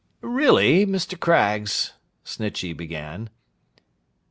'Really, Mr. Craggs,' Snitchey began.